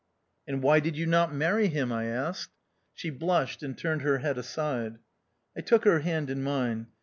"And why did you not marry him?" I asked. She blushed and turned her head aside. I took her hand in mine.